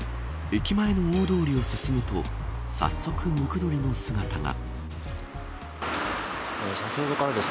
駅前の大通りを進むと早速、ムクドリの姿が。